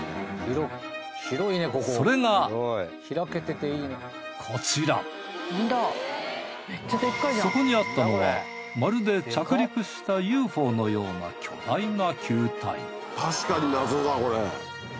それがこちらそこにあったのはまるで着陸したＵＦＯのような確かに謎だこれ。